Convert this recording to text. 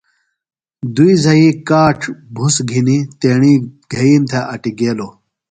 دُئی زھئی کاڇ بُھس گِھینیۡ تیݨیۡ گھئیم تھےۡ اٹیۡ گیلوۡ۔